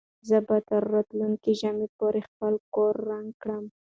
زه به تر راتلونکي ژمي پورې خپل کور رنګ کړم.